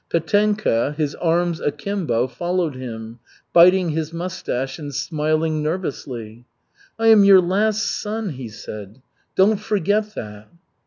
Petenka, his arms akimbo, followed him, biting his moustache and smiling nervously. "I am your last son," he said. "Don't forget that."